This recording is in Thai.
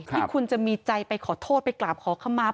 ที่คุณจะมีใจไปขอโทษไปกราบขอขมา